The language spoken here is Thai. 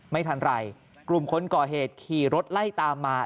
ไม่ทันไรกลุ่มคนก่อเหตุขี่รถไล่ตามมา